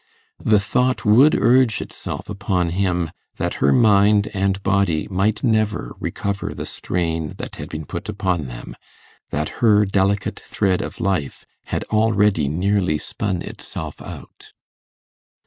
The thought would urge itself upon him that her mind and body might never recover the strain that had been put upon them that her delicate thread of life had already nearly spun itself out.